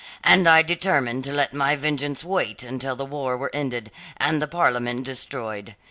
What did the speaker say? And so I determined to let my vengeance wait until the war were ended and the Parliament destroyed.